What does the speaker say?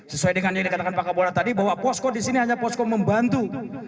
sesuai dengan yang dikatakan pak kapolda tadi bahwa posko di sini hanya posko membantu